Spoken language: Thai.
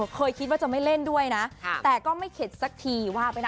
เคยคิดว่าจะไม่เล่นด้วยนะแต่ก็ไม่เข็ดสักทีว่าไปนะ